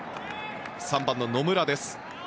３番の野村です。